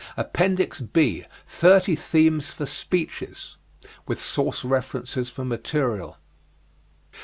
APPENDIX B THIRTY THEMES FOR SPEECHES With Source References for Material.